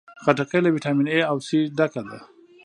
خټکی له ویټامین A او C ډکه ده.